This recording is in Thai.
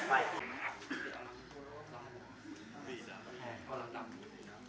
พี่หนูที่เที่ยว